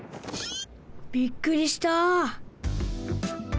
びっくりした！